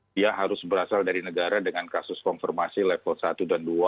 dia harus berasal dari negara dengan kasus konfirmasi level satu dan dua